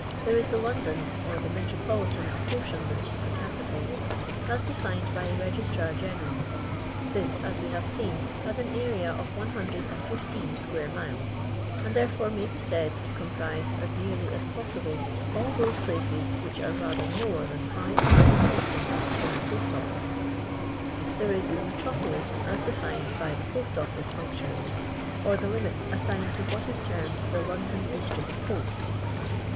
Theft is the London (or the metropoUtan apportionment of the capital) as defined by the Rc^tnr 6ene ml. Thif, as we have seen, has an area of 115 square miles, and therefore may be said to com prise as nearly as possible all those places which are rather more than Jive miles distant from the Post Office. There is the Metropolis as defined by the Pott Officc functionaries, or the limits assigned to what is termed the " London District Post."